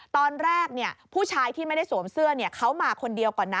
ตอนแรกผู้ชายที่ไม่ได้สวมเสื้อเขามาคนเดียวก่อนนะ